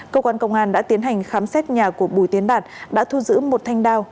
cơ quan công an đã tiến hành khám xét nhà của bùi tiến đạt đã thu giữ một thanh đao